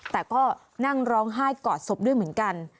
แต่ก็นั่งร้องไห้กอดศพด้วยเหมือนกัน